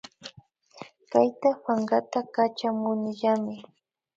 Kayta pankata Kachamunillami